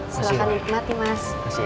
silahkan nikmati mas